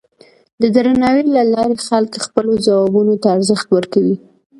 د درناوي له لارې خلک خپلو ځوابونو ته ارزښت ورکوي.